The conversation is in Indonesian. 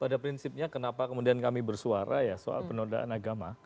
pada prinsipnya kenapa kemudian kami bersuara ya soal penodaan agama